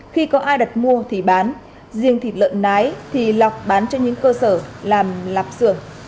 khi có ai đặt mua thì bán riêng thịt lợn nái thì lọc bán cho những cơ sở làm lạp sưởng